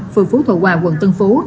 phường phú thọ hòa quận tân phú